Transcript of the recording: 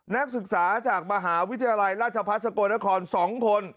นักศึกษาจากมหาวิทยาลัยราชพัฒน์สกลนคร๒คน